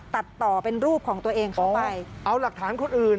ตัดต่อเป็นรูปของตัวเองเข้าไปเอาหลักฐานคนอื่น